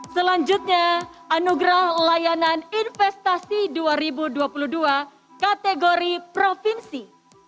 selanjutnya anugerah layanan investasi dua ribu dua puluh dua kategori provinsi